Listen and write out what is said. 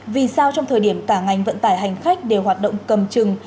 vì sao trong thời điểm cả ngành vận tải hành khách đều hoạt động cầm chừng